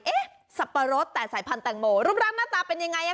เอ๊ะสับปะรดแต่สายพันธุ์แตงโมรูปรักหน้าตาเป็นยังไงอ่ะค่ะ